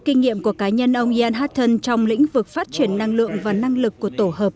kinh nghiệm của cá nhân ông yanhad thân trong lĩnh vực phát triển năng lượng và năng lực của tổ hợp